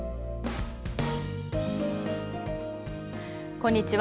こんにちは。